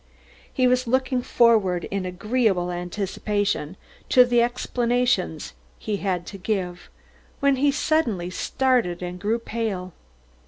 He was looking forward in agreeable anticipation to the explanations he had to give, when he suddenly started and grew pale.